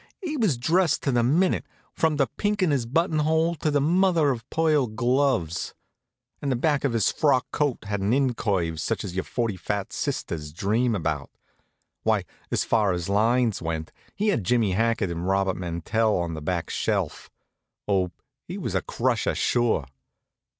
he was dressed to the minute, from the pink in his buttonhole, to the mother of pearl gloves; and the back of his frock coat had an in curve such as your forty fat sisters dream about. Why, as far as lines went, he had Jimmy Hackett and Robert Mantell on the back shelf. Oh, he was a crusher, sure!